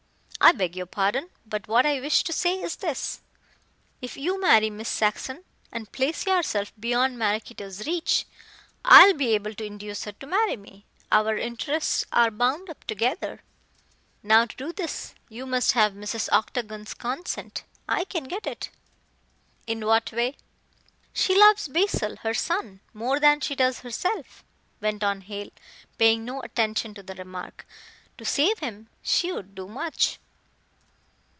"I beg your pardon. But what I wish to say is this. If you marry Miss Saxon and place yourself beyond Maraquito's reach, I will be able to induce her to marry me. Our interests are bound up together. Now, to do this you must have Mrs. Octagon's consent. I can get it." "In what way?" "She loves Basil, her son, more than she does herself," went on Hale, paying no attention to the remark. "To save him she would do much."